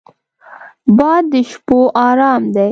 باد د شپو ارام دی